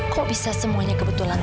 kok bisa semuanya kebetulan